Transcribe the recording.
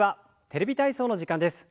「テレビ体操」の時間です。